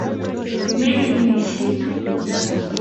Mimi ni mshindi.